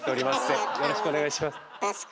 よろしくお願いします。